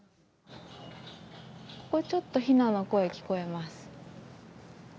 ここ、ちょっとひなの声聞こえます。